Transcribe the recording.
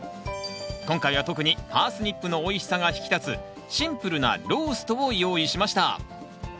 今回は特にパースニップのおいしさが引き立つシンプルなローストを用意しました。